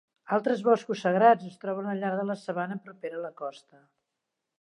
Altres boscos sagrats es troben al llarg de la sabana propera a la costa.